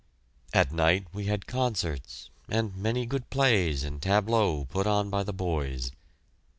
At night we had concerts, and many good plays and tableaux put on by the boys.